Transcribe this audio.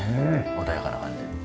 穏やかな感じに。